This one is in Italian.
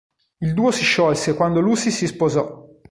Il duo si sciolse quando Lucy si sposò.